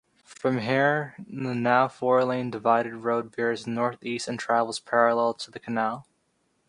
Their musical style took inspiration from ska and hard rock, among others.